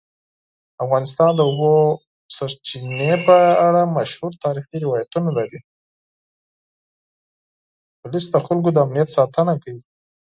پولیس د خلکو د امنیت ساتنه کوي.